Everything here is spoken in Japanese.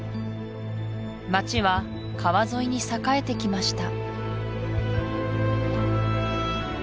町は川沿いに栄えてきました